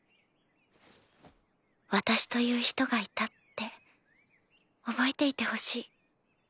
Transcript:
私という人がいたって覚えていてほしい。